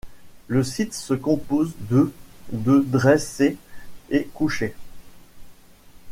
Le site se compose de de dressés et couchées.